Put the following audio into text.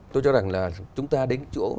tôi cho rằng là chúng ta đến chỗ